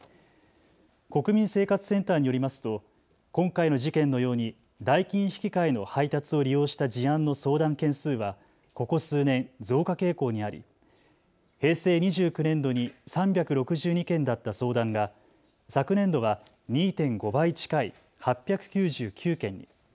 国民生活センターによりますと今回の事件のように代金引換の配達を利用した事案の相談件数はここ数年、増加傾向にあり平成２９年度に３６２件だった相談が昨年度は２．５倍近い８９９件に。